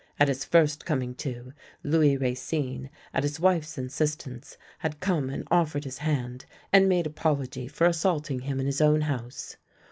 At his first coming to, Louis Racine, at his wife's insistence, had come and offered his hand, and made apology for assaulting him in his own house.